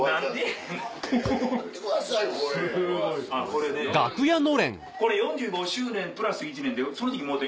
これねこれ４５周年プラス１年でその時もろうて。